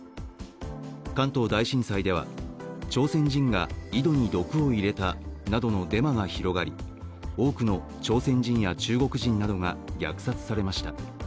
関東大震災では、朝鮮人が井戸に毒を入れたなどのデマが広がり多くの朝鮮人や中国人などが虐殺されました、